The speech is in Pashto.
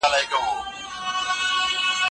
دا تګ تر پخواني حالت بشپړ وي.